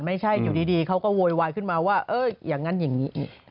ไม่ใช่อยู่ดีเขาก็โวยวายขึ้นมาว่าอย่างนั้นอย่างนี้